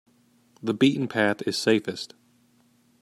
The beaten path is safest.